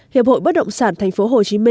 hiệp hội bất động sản tp hcm